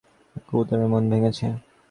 একটা কবুতরের মন ভেঙ্গেছে।